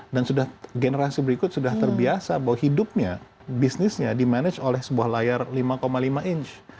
dan generasi berikut sudah terbiasa bahwa hidupnya bisnisnya dimanage oleh sebuah layar lima lima inch